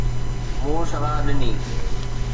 مون صلاح ڏني